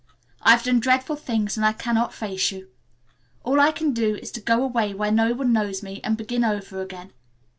I have done dreadful things and I cannot face you. All I can do is to go away where no one knows me, and begin over again.